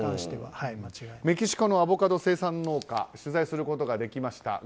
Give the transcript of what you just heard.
メキシコのアボカド生産農家を取材することができました。